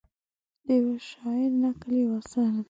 د یوه شاعر نکل یو اثر دی.